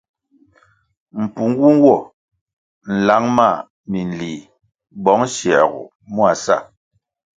Mpungu nwo nlang ma minlih bong siergoh mua sa.